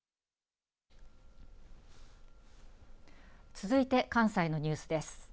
続いて関西のニュースです。